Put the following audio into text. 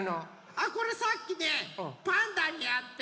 あっこれさっきねパンダにあって。